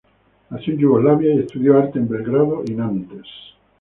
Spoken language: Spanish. Nació en Yugoslavia y estudió arte en Belgrado y Nantes.